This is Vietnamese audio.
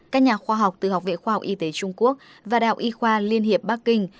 các nhà khoa học từ học viện khoa học y tế trung quốc và đạo y khoa liên hiệp bắc kinh